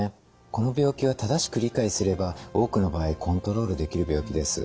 この病気は正しく理解すれば多くの場合コントロールできる病気です。